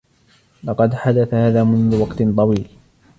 لقد حدث هذا منذ وقت طويل.